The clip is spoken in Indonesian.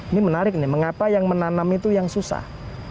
ini menarik nih mengapa yang menanam itu yang susah